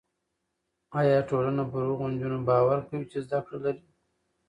ایا ټولنه پر هغو نجونو باور کوي چې زده کړه لري؟